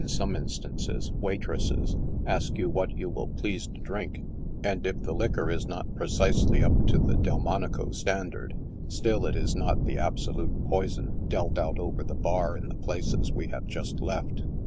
35 some instances, waitresses, ask you what you wiU please to drink, and, if the liquor i3 not precisely up to the Delinonico standard, still it is not the absolute poison dealt out over the bar in the places we have just left.